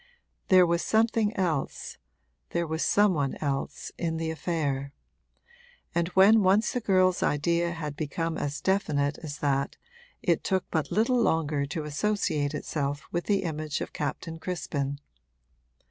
There was something else, there was some one else, in the affair; and when once the girl's idea had become as definite as that it took but little longer to associate itself with the image of Captain Crispin.